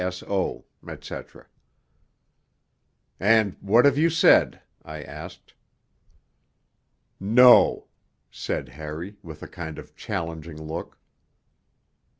S.O., etc. 'And what have you said?' I asked. 'No,' said Harry, with a kind of challenging look.